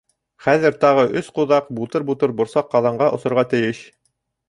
Хәҙер тағы өс ҡуҙаҡ бутыр-бутыр борсаҡ ҡаҙанға осорға тейеш.